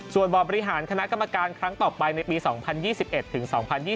ส่วนบ่อบริหารคณะกรรมการครั้งต่อไปในปี๒๐๒๑ถึง๒๐๒๐